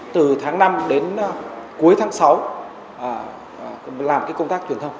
từ tháng năm đến cuối tháng sáu làm công tác truyền thông